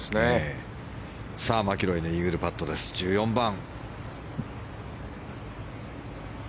マキロイのイーグルパット、１４番。